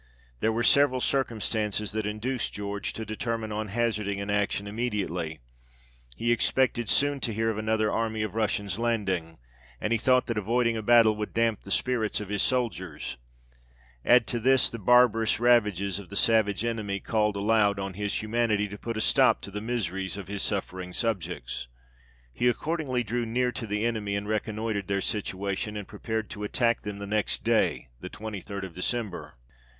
There were several circumstances that induced George to determine on hazarding an action immediately : he expected soon to hear of another army of Russians landing ; and he thought that avoiding a battle would damp the spirits of his soldiers ; add to this, the barbarous ravages of 1 [*>. some eight miles due west of York;] 20 THE REIGN OF GEORGE VI. the savage enemy called aloud on his humanity to put a stop to the miseries of his suffering subjects. He accordingly drew near to the enemy, and reconnoitred their situation, and prepared to attack them the next day, the 23rd of December.